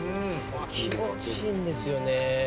「気持ちいいんですよね」